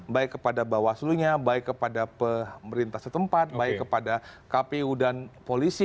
baik kepada bawaslu nya baik kepada pemerintah setempat baik kepada kpu dan polisi